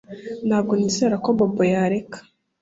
Ntabwo nizera ko Bobo yareka